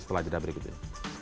setelah jeda berikutnya